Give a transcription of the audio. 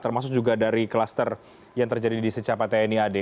termasuk juga dari kluster yang terjadi di secapai tni